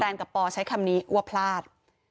กับปอใช้คำนี้ว่าพลาด